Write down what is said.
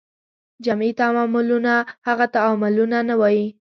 جمعي تعاملونه هغه تعاملونو ته وایي.